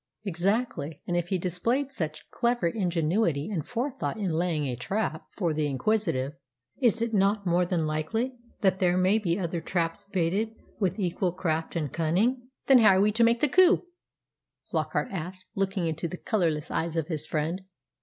"Exactly. And if he displayed such clever ingenuity and forethought in laying a trap for the inquisitive, is it not more than likely that there may be other traps baited with equal craft and cunning?" "Then how are we to make the coup?" Flockart asked, looking into the colourless eyes of his friend.